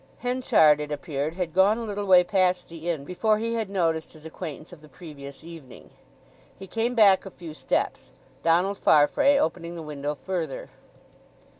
Henchard it appeared, had gone a little way past the inn before he had noticed his acquaintance of the previous evening. He came back a few steps, Donald Farfrae opening the window further.